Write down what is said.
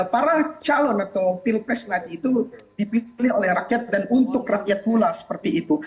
padahal hari ini para calon atau pilpres lagi itu dipilih oleh rakyat dan untuk rakyat pula seperti itu